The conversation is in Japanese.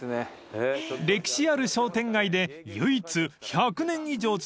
［歴史ある商店街で唯一１００年以上続く海苔店］